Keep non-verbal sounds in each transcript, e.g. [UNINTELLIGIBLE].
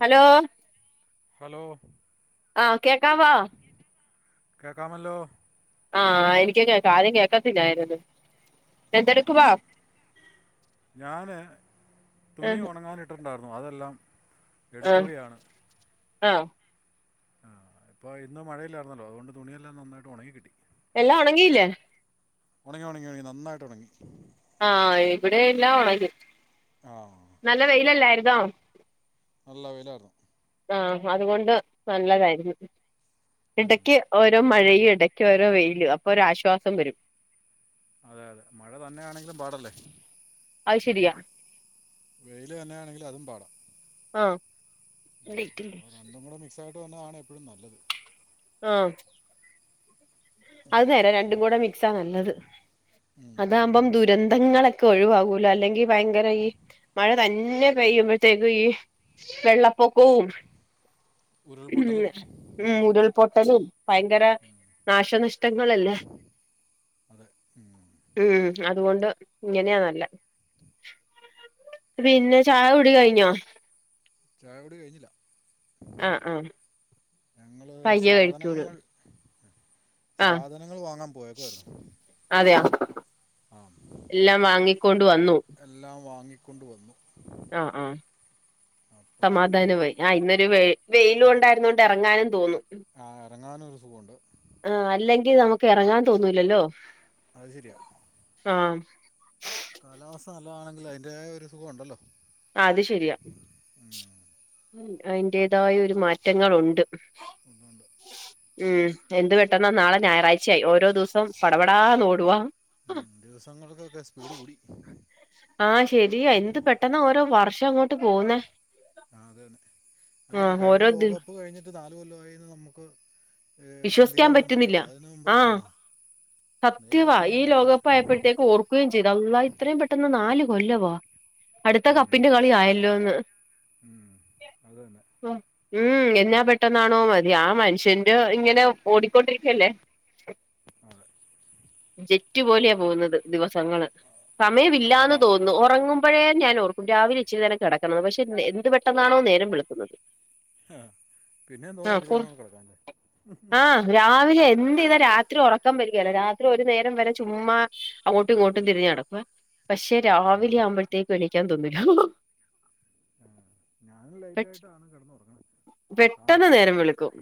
Hello hello ആ കേക്കാവോ കേക്കാമല്ലോ ആ എനിക്ക് കേക്കാം ആദ്യം കേൾക്കത്തില്ലായിരുന്നു എന്തെടുക്കുവാ ഞാന് തുണി ആഹ് ഉണങ്ങാനിട്ടിണ്ടായിരുന്നു അത് എല്ലാം എടുക്കുകയാണ് ആ ആ ഇപ്പൊ ഇന്ന് മഴയില്ലായിരുന്നല്ലോ അതുകൊണ്ട് തുണിയെല്ലാം നന്നായിട്ട് ഉണങ്ങി കിട്ടി എല്ലാം ഉണങ്ങിയില്ലേ ഒണങ്ങി ഒണങ്ങി നന്നായിട്ട് ഒണങ്ങി ആ ഇവിടെ എല്ലാ ഒണങ്ങി ആ നല്ല വെയില് അല്ലാരി [UNINTELLIGIBLE] നല്ല വെയിലാർന്നു ആ അതുകൊണ്ട് നല്ലതായിരുന്നു ഉം ഇടയ്ക്ക് ഓരോ മഴ ഇടയ്ക്ക് ഓരോ വെയില് അപ്പൊ ഒരാശ്വാസം വെരും അതെ അതെ മഴ തന്നെയാണെങ്കിലും പാടല്ലേ അത് ശരിയാ വെയില് തന്നെയാണെങ്കിൽ അതും പാടാ ആ [UNINTELLIGIBLE] ക്കും അത് തന്നാണ് എപ്പഴും നല്ലത്. ആ അത് നേരാ രണ്ടും കൂടെ മിക്സാ നല്ലത്, ഉം അതാവുമ്പം ദുരന്തങ്ങളൊക്കെ ഒഴിവാവൂലോ അല്ലെങ്കി ഭയങ്കര ഈ മഴ തന്നെ കഴിയുമ്പഴത്തേക്കും ഈ വെള്ളപ്പൊക്കവും ഉരുൾപൊട്ടലും ഉം ഉരുൾ പൊ ട്ടലും ഭയങ്കര നാശനഷ്ടങ്ങളല്ലേ അതെ ഉം ഉം അതുകൊണ്ട് ഇങ്ങനെയാ നല്ലെ, പിന്നെ ചായ കുടി കഴിഞ്ഞോ? ചായ കുടി കഴിഞ്ഞില്ല. ആഹ് ആഹ് ഞങ്ങള് പയ്യെ കഴിക്കുള്ളൂ സാധനങ്ങൾ ആഹ് സാധനങ്ങൾ വാങ്ങാൻ പോയേക്കുവായിരുന്നു അതെയോ എല്ലാം വാങ്ങിക്കൊണ്ട് വന്നു കൊണ്ടുവന്നു. ആഹ് ആഹ് അപ്പോൾ സമാധാനമായി ആഹ് ഇന്നൊരു വെ വെയിലുണ്ടായിരുന്നോണ്ട് ഇറങ്ങാനും തോന്നും. ആഹ് ഇറങ്ങാനും ഒരു സുഖമുണ്ട്. ഇറങ്ങാൻ തോന്നൂലല്ലോ? അത് ശെരിയാ. ആഹ് കാലാവസ്ഥ നല്ലതാണെങ്കിൽ അതിന്റെതായൊരു സുഖം ഉണ്ടല്ലോ അത് ശരിയാ അതിന്റേതായ ഒരു മാറ്റങ്ങളുണ്ട്. ഉണ്ട് ഉം എന്ത് പെട്ടെന്നാ നാളെ ഞായറാഴ്ചയായി ഓരോ ദിവസം പടപടാ ഓടുവാ ഉം ദിവസങ്ങൾക്കൊക്കെ സ്പീട് കൂടി ആഹ് ശെരിയാ എന്ത് പെട്ടെന്നാ ഓരോ വർഷം അങ്ങോട്ട് പോകുന്നെ ആഹ് അതെ അതെ അല്ലന്നെ കഴിഞ്ഞ ഓരോ ദി ലോകകപ്പ് കഴിഞ്ഞിട്ട് നാല് കൊല്ലായിന്ന് നമുക്ക് ഏ, വിശ്വസിക്കാൻ ചിന്തിക്കാൻ പോലും പറ്റില്ല പറ്റുന്നില്ല അതിനു മുമ്പ് ആ ആഹ് നേരെ സത്യവാ പെട്ടെന്ന് ഈ തന്നെ അടുത്ത് ലോകകപ്പ് വന്നു ആയപ്പോഴത്തേക്ക് ഓർക്കുകയും ചെയ്തു അള്ളാ ഇത്രയും പെട്ടെന്ന് നാല് കൊല്ലവാ അടുത്ത ഉം, കപ്പിന്റെ കളി ആയല്ലോന്ന് ഉം, അത് തന്നെ ഉം എന്നാ പെട്ടെന്നാണോ മതി ആഹ് മനുഷ്യന്റെ ഇങ്ങനെ ഓടിക്കൊണ്ടിരിക്കല്ലേ അതെ ജെറ്റ് പോലെയാ പോകുന്നത് ദിവസങ്ങള് അതുപോലെ സമയമില്ലാന്ന് കാ തോന്നുന്നു ഒറങ്ങും ഇപ്പോഴേ ഞാൻ ഓർക്കും രാവിലെ ഇച്ചിരി നേരം കിടക്കുണോന്ന് പക്ഷെ എന്ത് പെട്ടെന്നാണോ നേരം വെളുക്കുന്നത് ഹ് പിന്നെ തോന്നും ആഹ് ഇച്ചരിനേരോം കൂടി കിടക്കാൻല്ലേ ആഹ് രാ രാവിലെ എന്ത് ചെയ്താ രാത്രി ഉറക്കാൻ വരുകേല രാത്രി ഒരു നേരം വരെ ചുമ്മാ അങ്ങോട്ടും ഇങ്ങോട്ടും തിരിഞ്ഞ് കിടക്കും പക്ഷെ ആ രാവിലെ ആവുമ്പോഴത്തേക്ക് എണിക്കാൻ തോന്നില്ല ആഹ് ഞാനും പെ ലേറ്റ് ആയിട്ടാണ് കിടന്നുറങ്ങണ് പെട്ടെന്ന് താമസിച്ച [INAUDIBLE] നേരം വെളുക്കും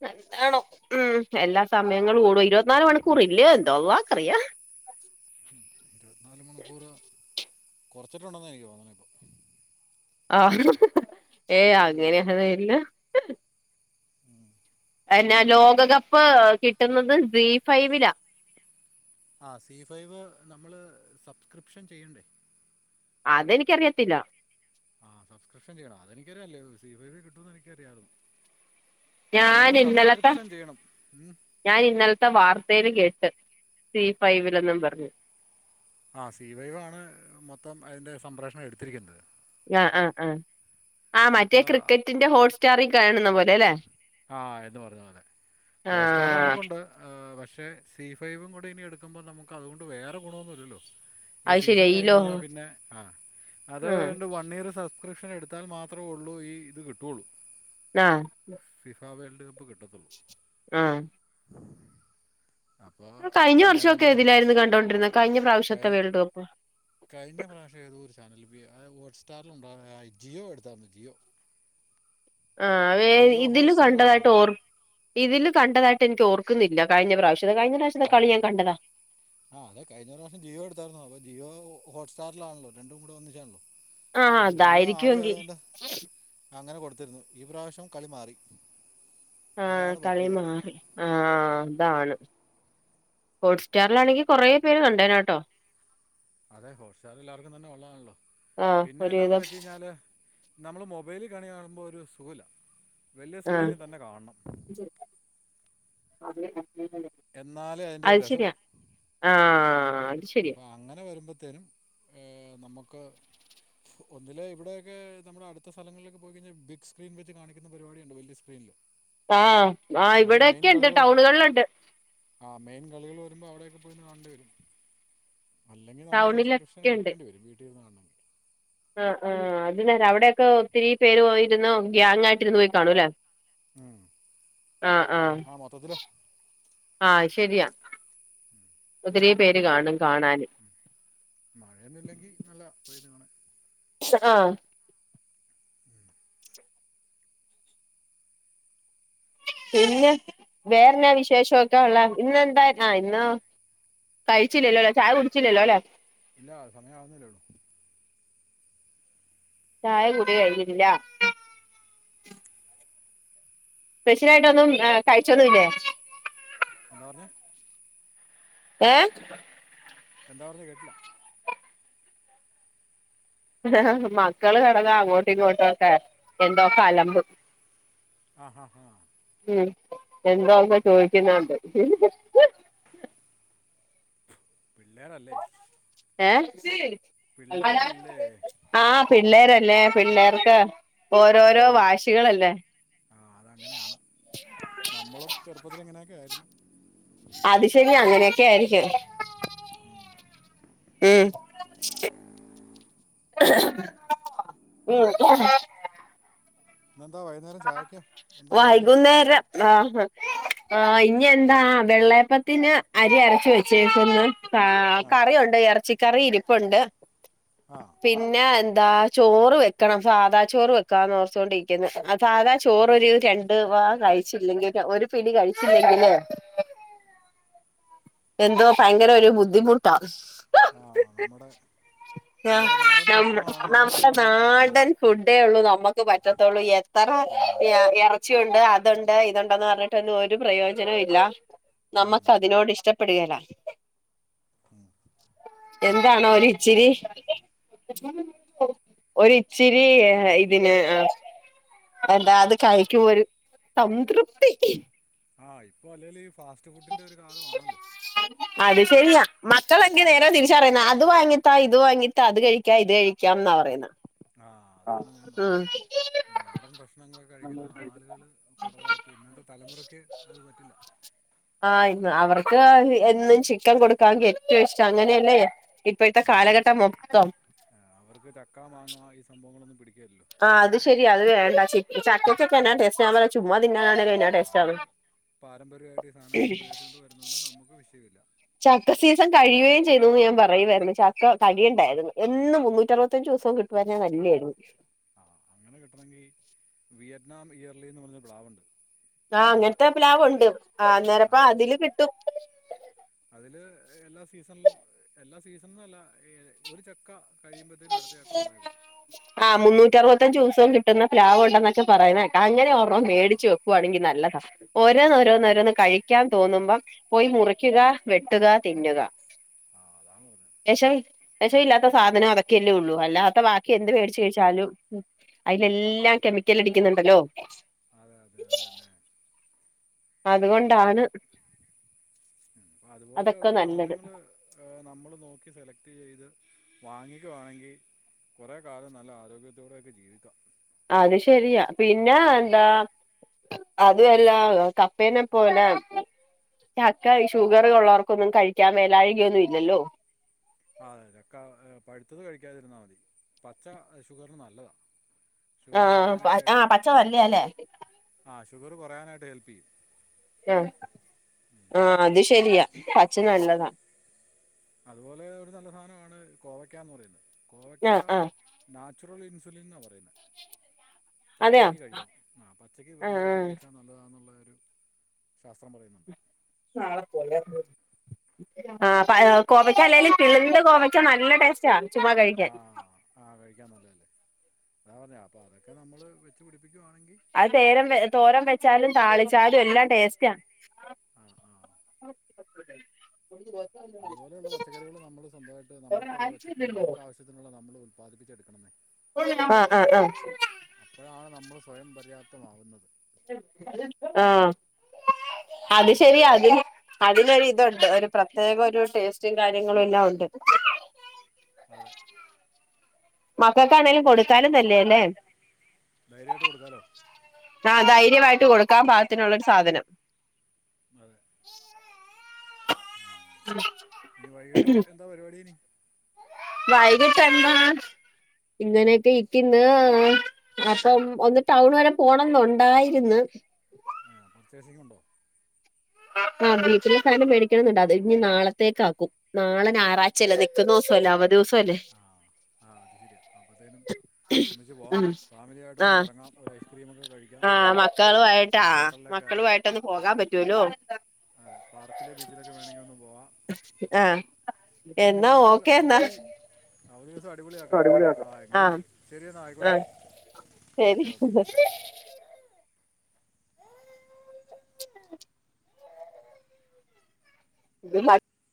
[UNINTELLIGIBLE] ആണോ ഉം എല്ലാ സമയങ്ങളും കൂടും ഇരുപത്തിനാല് മണിക്കൂർ ഇല്ലയോ എന്തോ അള്ളാ അറിയാം ഇരുപത്തിനാലു മണിക്കുറ കുറച്ചിട്ടുണ്ടെന്നാ എനിക്ക് തോന്നണ ഇപ്പോ ആ ഏ അങ്ങനെയൊന്നും ഇല്ല എന്നാ ലോകകപ്പ് കിട്ടുന്നത് സി ഫൈവിലാ ആ സി ഫൈവ് നമ്മള് സബ്സ്ക്രിപ്ഷൻ ചെയ്യണ്ടേ അതെനിക്കറിയത്തില്ല ആ സബ്ക്രിപ്ഷൻ ചെയ്യണം അതെനിക്ക അറിയല്ലേ സി ഫൈവില് കിട്ടുംന്ന് എനിക്കറിയാരുന്നു ഞാൻ ഇന്നലത്തെ ഉം. ഞാൻ ഇന്നലത്തെ വാർത്തയിൽ കേട്ട് സീ ഫൈവിലന്നും പറഞ്ഞ് ആ സി വൈവ ആണ് മൊത്തം അയ്ന്റെ സംപ്രേഷണം എടുത്തിരിക്കുന്നത് ആ ആ ആ ആ മറ്റേ അപ്പോൾ ക്രിക്കറ്റിന്റെ ഹോട്ട് സ്റ്റാറി കാണുന്ന പോലെ ല്ലെ ആ എന്ന് പറഞ്ഞ പോലെ ഹോട്ട്സ്റ്റാർ ആഹ് നമുക്കുണ്ട് പക്ഷേ പക്ഷെ സി ഫൈവും കൂടെ ഇനി എടുക്കുമ്പോൾ നമുക്ക് അതുകൊണ്ട് വേറെ ഗുണൊന്നുഇല്ലല്ലോ ഈ അത് ശരിയാ സീസൺ ലോ കഴിഞ്ഞഴിഞ്ഞാൽ പിന്നെ ആ അത് ആഹ് ണ്ട് വൺ ഇയർ സബ് സബ്സ്ക്രിപ്ഷൻ എടുത്താൽ മാത്രേഒള്ളൂ ഈ ഇത് കിട്ടോള്ളൂ ആ ഫിഫാ വേൾഡ് കപ്പ് കി അപ്പോൾ ആ കഴിഞ്ഞ പിന്നെ വർഷമൊക്കെ നമ്മുടെ ഏതിലായിരുന്നു കണ്ടൊണ്ടിരുന്നേ കഴിഞ്ഞ കൈ പ്രാവശ്യത്തെ വേൾഡ് കപ്പ്? അത് ഹോട്ട് സ്റ്റാറിലുണ്ടായിരുന്നു ജിയോ എടുത്താരുന്ന് ജിയോ ആ വേ ജിയോ ഇതിലും കണ്ടതായിട്ട് ഹോട്ട്സ്റ്റാറാണെന്നല്ലോ ഓർമ ഇതില് കണ്ട തായിട്ട് എനിക്ക് ഓർക്കുന്നില്ല കിഴിഞ്ഞ പ്രാവശ്യം ആ ആ അതെ കഴിഞ്ഞ പ്രാവശ്യം ജിയോ എടുത്താരുന്നു അപ്പോ ജിയോ ഹോട്ട്സ്റ്റാറിലാണല്ലോ രണ്ടും കൂടെ ഒന്നിച്ചാണല്ലോ? ആ അപ്പോൾ ജിയോ അതായിരിക്കും ആദ്യം എങ്കി ആയതുകൊണ്ട് അങ്ങനെ കൊടുത്തിരുന്നു ഈ പ്രാവശ്യം കളി മാറി ആ അതാണ് കളി പറ്റിയത് മാറി ആ അതാണ്. ഹോട്ട്സ്റ്റാറിലാണെങ്കി കൊറേ പേര് കണ്ടേനേട്ടോ. അതെ ഹോട്ട്സ്റ്റാറ് എല്ലാവർക്കും തന്നെ ഒള്ളാണല്ലോ ആഹ് പിന്നെ എന്നാന്ന് ഒരുവിധം വെച്ച് കഴിഞ്ഞാല് നമ്മള് മൊബൈലിൽ കളി കാണുമ്പോൾ ഒരു സുഖം ഇല്ല. വലിയ ആഹ് സ്ക്രീനിൽ തന്നെ കാണണം. [UNINTELLIGIBLE] എന്നാലേ അതിന്റെ ഒരു അത് ശരിയാ രസവുള്ളു ആഹ് അത് ശരിയാ അപ്പോ അങ്ങനെ വരുമ്പോ ത്തേരും നമുക്ക് ഒന്നില് ഇവിടെയൊക്കെ നമ്മുടെ അടുത്ത സ്ഥലങ്ങളിലൊക്കെ പോയിക്കഴിഞ്ഞാൽ ബിഗ് സ്ക്രീൻ വെച്ച് കാണിക്കുന്ന പരിപാടിയുണ്ട് വലിയ സ്ക്രീനിൽ ആ ആ അത് മെയിൻ ഇവിടെക്കെണ്ട് കളികൾ ടൗണുകളിലുണ്ട് ആ മെയിൻ കളികൾ വരുമ്പോ അവിടെയൊക്കെ പോയി കാണേണ്ടി വരും അല്ലെങ്കിൽമ്മള് സസ്ക്രിഷൻ ടൗണിലൊക്കെയുണ്ട് എടുക്കണ്ടി വരും വീട്ടിലിരുന്ന് കാ ആ ആ അത് നേരാ അവിടെക്കെ ഒത്തിരി പേര് പോ ഇരുന്ന് ഗ്യാങ്ങയിട്ട് ഇരുന്ന് പോയി കാണൂല്ലേ ഉം. ആ ആ ആ ശരിയാ ഒത്തിരി പേര് കാണും കാണാന് മഴയൊന്നും ഇല്ലെങ്കിൽ നല്ല പോയിത് കാണ ആ പിന്നെ വേറെന്നാ വിശേഷമൊക്കെ ഉള്ള ഇന്നെന്താ ആ ഇന്ന് കഴിച്ചില്ലല്ലോല്ലോ ചായ കുടിച്ചില്ലല്ലോ അല്ലേ ഇല്ല സമയവുന്നില്ലേള്ളു ചായ കൂടി കഴിന്നിട്ടില്ല സ്പെഷ്യലായിട്ടൊന്നും കഴിച്ചൊന്നുംല്ലേ എന്തോ പറന്ന് ഏ എന്താ പറഞ്കേട്ടില്ല മക്കള് കിടന്ന് അങ്ങോട്ടും ഇങ്ങോട്ടുംഒക്കെ എന്തോകെ അലമ്പ് ആ ഹാ ഹാ എന്താ ന്ന് ചോദിക്കുന്നുണ്ട് പിള്ളേരല്ലേ സ് പിള്ളേരല്ലേ ആ പിള്ളേർ ലെ പിള്ളേർക്ക് ഓരോരോ അതങ്ങനെ വാശികളല്ലേ ആ അതങ്ങനെയാണ് ക്കെയിരുന്നു അത് ശനി അങ്ങനെയൊക്കെ ആയിരിക്കും ഉം ഉ ഇന്നെന്താ വൈകുന്നേരം ചായക്എന്താ ഉണ്ടാക്കിയാ ആ ആ ഇനി എന്താ വെള്ളയപ്പത്തിന് അരി അരച് വെച്ചേക്കന്ന് ആ കറിയുണ്ട് ഇറച്ചി കറി ഇരിപ്പുണ്ട് ആ പിന്നെ എ എതാ ചോറ് വെക്കണം സാധാ ചോറ് വെക്കാന്ന് ഓർത്തോണ്ടിരിക്കുന്നു സാധാ ചോറൊരു രണ്ട് വാ കഴിച്ചില്ലെങ്കില് ഒരു പിടി കഴിച്ചില്ലെങ്കില് എന്തോ ഭയങ്കര ഒരു ബുദ്ധിമുട്ടാ ആ [UNINTELLIGIBLE] നമ്മുടെ ആ നമ്മുടെ നാടൻ ഭക്ഷണമാണ് നമുക്ക് നമ്മുടെ ഏറ്റവും നല്ലത് നാടൻ ഫുഡേള്ളൂ നമ്മുക്ക് പറ്റത്തുള്ളൂ ഉം, ഇറച്ചിയുണ്ട് അതുണ്ട് ഇതുണ്ടന്ന് പറഞ്ഞിട്ടൊന്നും ഒരു പ്രയോജനവും ഇല്ല ഉം. നമ്മക്ക് അതിനോട് ഇഷ് പ്പെട്കേല എന്താണോ ഒരിച്ചിരി ഒരിച്ചിരി ഇതിന് എന്താ അത്കഴിക്കു ഒരു സംതൃപ്തി ആഹ് ഇപ്പൊ അല്ലെല് അത് ശരിയാ മക്കൾ എങ്കിനേരം തിരിച്ചറിയുന്ന അത് വാങ്ങിത്താ ഇത് വാങ്ങി അത് കഴിക്കാം ഇത് കഴിക്കാന്ന പറയുന്ന ആ അതാണ് ഞാൻ ഉം പറഞ്ഞത് ഇ നാടൻ ഭക്ഷണങ്ങളൊക്കെ കഴിക്കുന്ന ആളുകള് കുറവായിപ്പോയി ഇന്നത്തെ തലമുറക്ക് അത് പറ്റില്ല ആ ഇന്ന് അവർക്ക് എന്നും അവ- ചിക്കൻ കൊടുക്കാങ്കി ഏറ്റോം ഇഷ്ടം ആ അങ്ങനെയല്ലേ ഇപ്പഴത്തെ ആ കാലഘട്ടം മൊത്തം ആ, പിടിക്കേ ആഹ് അത് ശെരിയാ അത് വേണ്ട ചി ചക്കകൊക്കെ എന്നാ ടേസ്റ്റാ ഞാപറയും ചുമ്മാ തിന്നാനാണേലും ആ എന്നാ ടേസ്റ്റാത് നമ്മൾ പാരമ്പര്യമായിട്ട് ഈ സാധനങ്ങൾ ഉപയോഗിച്ചുകൊണ്ട് വരുന്നതുകൊണ്ട് നമുക്ക് വിഷയമില്ല ചക്ക സീസൺ കഴിയുവേം ചെയ്തൂന്ന് ഞാൻ പറയുവായിരുന്നു ചക്ക കഴിയണ്ടായിരുന്നു എന്നും മുന്നൂറ്റ അറുപത്തഞ്ചീസോം കിട്ടുവാരുന്നെ നല്ലെയാരുന്നു ആഹ് അങ്ങനെ കിട്ടണെങ്കി വിയറ്റ്നാം ഇയർലി എന്ന് പറഞ്ഞ പ്ലാവൊണ്ട് ആഹ് അങ്ങനത്തെ പ്ലാവൊണ്ട് ആഹ് അന്നേരപ്പ അതില് കിട്ടും അതില് എല്ലാ സീസണിലും എല്ലാ സീസ ന്നല്ല ഇ ഒരു ചക്ക കഴിയുമ്പത്തേനും അടുത്തചക്ക ഒണ്ടായിവരും ഞ്ചൂസോം കിട്ടുന്ന പ്ലാവ് ഉണ്ടെന്നൊക്കെ പറയുന്നേ അങ്ങനെ ഒരണ്ണം ആ മേടിച്ച് വെക്കുവാണെങ്കി നല്ലതാ [INAUDIBLE] അതിനകം ഓരോന്നോരോന്ന് കഴിക്കാൻ തോന്നുമ്പം- പോയി മുറിക്കുക വെട്ടുക തിന്നുക ആ അതാണ് പറഞ്ഞത് എശ [UNINTELLIGIBLE] വെഷവില്ലാത്ത- സാധനം അതക്കയല്ലേ ഒള്ളു അല്ല- ബാക്കി എന്ത് അതെ മേടിച്ച് കഴിച്ചാലും അയിലെല്ലാം കെമിക്കലടിക്കുന്നുണ്ടല്ലോ അതെ അതെ അത് തന്നെ അതുകൊണ്ടാണ്- അതൊക്കെ അതുപോലെയുള്ള നല്ലത് സാധനങ്ങള് നമ്മള് നോക്കി സെലക്ട് ചെയ്ത് വാങ്ങിക്കുവാണെങ്കി കൊറേ കാലം നല്ല ആരോഗ്യത്തോടെയൊക്കെ ജീവിക്കാം അത് ശരിയാ പിന്നെ ഇനിയുള്ള കാലത്ത് എന്താ- അതുവല്ലാ കപ്പേനെ പോലെ ചക്ക ഷുഗർ ഒള്ളോർക്കൊന്നും കഴിക്കാൻ മേലാഴികയൊന്നുംഇല്ലല്ലോ അതെ പഴുത്തത് കഴിക്കാതിരുന്ന മതി പച്ച ഷുഗറിന് നല്ലതാ ആ ആഹ് പച്ച നല്ലയാ ഇല്ലേ കൊറയാനായിട്ട് ഹെൽപ്പ് ചെയ്യും. ആ ആ അത് ശരിയാ [UNINTELLIGIBLE] നല്ലതാ അതുപോലെ ഒരു നല്ല സാധനമാണ് കോവയ്ക്കാന്ന് പറയുന്നത്. ഗോവയ്ക്ക ആ ആ നാച്ചുറൽ ഇൻ [UNINTELLIGIBLE] പറയുന്ന അതെയോ പച്ചക്ക കഴിക്കണം ആഹ് പച്ചക്കക്ക് ആ വെറും വയറ്റി കഴിച്ചാൽ നല്ലതാണുള്ള ശാസ്ത്രം പറയുന്നുണ്ട് [INAUDIBLE] ആ കോവക അല്ലെല് പിളിന്ദു കോവക നല്ല ടേസ്റ്റ് ആഹ് ആഹ് ആഹ് കഴിക്കാൻ നല്ലതല്ലേ [INAUDIBLE] അപ്പൊ അതൊക്കെ നമ്മള് വെച്ച് പി അത് തേരം തോരം വെച്ചാലും താളി ചാലും എല്ലാം ടേസ്റ്റ [INAUDIBLE] ആ ആ അതുപോലെയുള്ള പച്ചക്കറികൾ നമ്മള് സ്വന്തമായിട്ട് നമുക്കുള്ള പച്ചക്കറി നമുക്ക് ആവശ്യത്തിനുള്ള നമ്മള് ഉല്പാദിപ്പിച്ച എടുക്കണേ ആഹ് ആഹ് ആഹ് അപ്പോഴാണ് നമ്മൾ സ്വയം പര്യാപ്തമാവുന്നത് ആ ഉം. അത് ശരി അതിന് അതിനൊ ഇതുണ്ട് ഒരു പ്രത്യേക ഒരു ടേസ്റ്റും കാര്യങ്ങളും എല്ലാം ഉണ്ട് അതെ മക്കൾക്കാണേങ്കലും കൊടുക്കാനും തല്ലേ അല്ലേ ധൈര്യായിട്ട് കൊടുക്കാലോ ആ ധൈര്യമായിട്ട് വിട്ട കൊടുക്കാൻ പാത്തിനുള്ളരു സാധനം കൊടുക്കാം ആഹ് ഇനി വൈകിട്ട് എന്താ പരിപാടി ഇനി വൈകിട്ട് എന്താ ഇങ്ങനെയൊക്കെ ഇരിക്കുന്നു അപ്പം ഒന്ന് ടൗൺ വരെ പോണം ന്നുണ്ടായിരുന്ന് ആ പർച്ചേസിങ് ഉണ്ടോ ആഹ വീട്ടില സാധനം മേടിക്കണന്നണ്ട അത് ഇനിഞ് നാളത്തേക്ക ആക്കും നാളെ ആറാഴ്ചയല്ലേ നിക്കുന്ന ദിവസംല്ലേ അവദി ദിവസം അല്ലേ ആ ആ അത് ശരിയാ അപ്പോഴ അത്തേനും ഒന്നിച്ച് പോവാൻ പറ്റും ഫാമിലിയ ആയിട്ടൊന്ന് കറങ്ങാം ഒരു ഐസ്ക്രീമ ഒക്കെ കഴിക്കാം ആഫ് മക്കളുമായിട്ടാ ഒരു ഹോട്ടലിലൊക്കെ കയറാം മക്കളുമായിട്ടൊന്ന് പോകാൻ പറ്റൂല്ലോ അതെ പാർക്കിൽ ബീച്ചിലൊക്കെ വേണമെങ്കിൽ ഒന്ന് പോവാം ആഹ് ചുരുക്കി എന്നാ പറഞ്ഞാൽ ഓക്കെ എന്നാ അവധി അവധി ദിവസം ആ അടിപൊളിയാക്കാം എങ്കിൽ ആഹ് ശരി എന്നാൽ ആയിക്കോട്ടെ ആഹ് ഓക്കെ ഓക്കെ ശരി [INAUDIBLE]